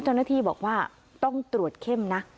เจ้าหน้าที่บอกว่าต้องตรวจเข้มนะ